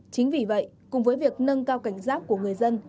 chính vì vậy cùng với việc nâng cao cảnh giác của người dân